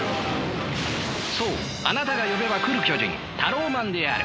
そうあなたが呼べば来る巨人タローマンである。